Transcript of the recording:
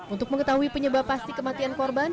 untuk mengetahui penyebab pasti kematian korban